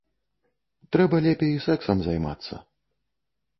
Трэба лепей сэксам займацца.